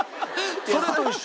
それと一緒。